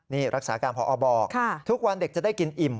นี่รักษาการพอบอกทุกวันเด็กจะได้กินอิ่ม